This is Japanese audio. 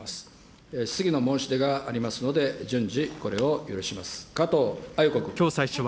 次の申し出がありますので、順次、これを許します。